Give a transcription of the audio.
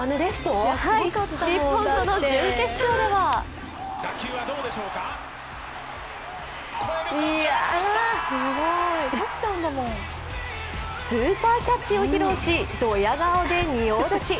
日本との準決勝ではスーパーキャッチを披露し、ドヤ顔で仁王立ち。